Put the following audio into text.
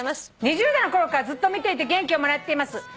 「２０代のころからずっと見ていて元気をもらっています」